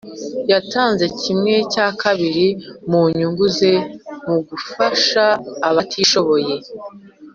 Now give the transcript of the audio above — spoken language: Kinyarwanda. yatanze kimwe cyakabiri mu nyungu ze mugufasha abatishoboye